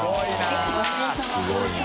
すごいな。